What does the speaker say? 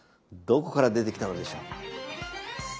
どこから出てきたのでしょう？